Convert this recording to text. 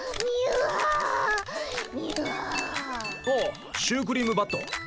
おおシュークリーム・バット。